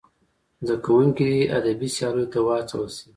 زدهکوونکي دې ادبي سیالیو ته وهڅول سي.